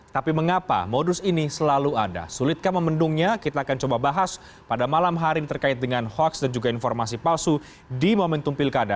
tapi mengapa modus ini selalu ada sulitkah memendungnya kita akan coba bahas pada malam hari ini terkait dengan hoax dan juga informasi palsu di momentum pilkada